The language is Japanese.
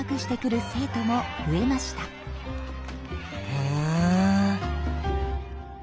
へえ。